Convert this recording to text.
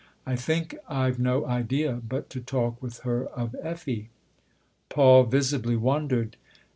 " I think I've no idea but to talk with her of Effie." Paul visibly wondered.